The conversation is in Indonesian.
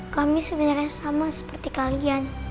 kami sebenarnya sama seperti kalian